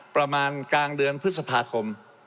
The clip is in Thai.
ประมาณกลางเดือนพฤษภาคม